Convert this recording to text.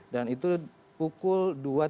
dan itu pukul dua tiga puluh sembilan